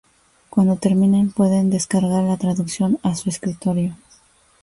Cuando terminen, pueden descargar la traducción a su escritorio.